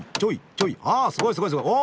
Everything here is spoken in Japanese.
あすごいすごいすごい！